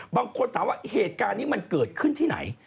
บางคนถามว่าเหตุการณ์นี้มันเกิดขึ้นที่ไหน